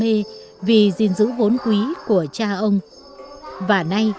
hay biểu diễn trong các lễ hội du lịch để quảng bá văn hóa